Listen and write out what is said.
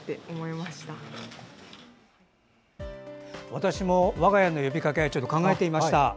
私も我が家の呼びかけ考えてみました。